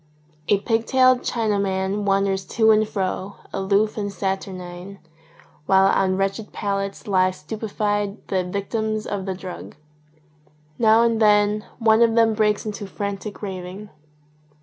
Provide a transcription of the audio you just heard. A pig tailed Chinaman wanders to and fro, aloof and saturnine, while on wretched pallets lie stupefied the victims of the drug. Now and then one of them breaks into frantic raving.